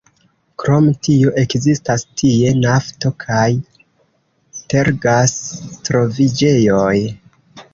Krom tio ekzistas tie nafto- kaj tergas-troviĝejoj.